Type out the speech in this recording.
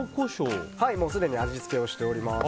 すでに味付けをしております。